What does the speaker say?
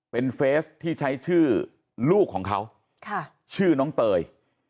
เป็นเฟสที่ใช้ชื่อลูกของเขาชื่อน้องเตย